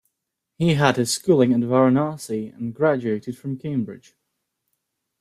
He had his schooling at Varanasi and graduated from Cambridge.